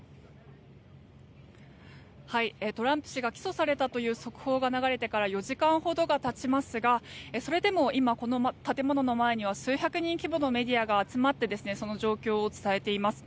トランプ氏が起訴されたという速報が流れてから４時間ほどがたちますがそれでも今、この建物の前には数百人規模のメディアが集まってその状況を伝えています。